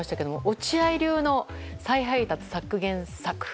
落合流の再配達削減策は。